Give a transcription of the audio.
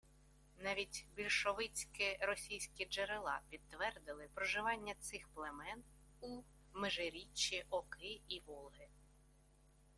Навіть більшовицькі російські джерела підтвердили проживання цих племен у межиріччі Оки і Волги